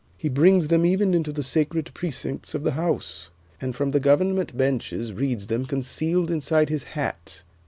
He brings them even into the sacred precincts of the House, and from the Government benches reads them concealed inside his hat.